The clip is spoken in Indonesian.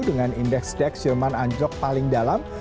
dengan indeks stek jerman anjok paling dalam